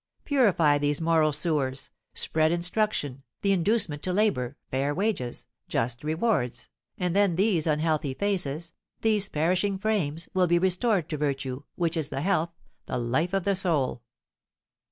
Purify these moral sewers, spread instruction, the inducement to labour, fair wages, just rewards, and then these unhealthy faces, these perishing frames, will be restored to virtue, which is the health, the life of the soul.